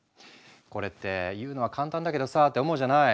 これって言うのは簡単だけどさって思うじゃない？